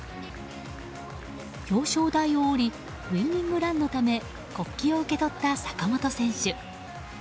表彰台を降りウィニングランのため国旗を受け取った坂本選手。